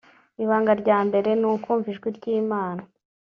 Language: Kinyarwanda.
Ibanga rya mbere ni ukumva ijwi ry'Imana